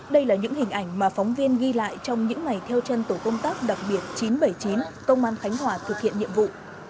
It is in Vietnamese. đây là những hình ảnh mà phóng viên ghi lại trong những ngày theo chân tổ công tác đặc biệt chín trăm bảy mươi chín công an khánh hòa thực hiện nhiệm vụ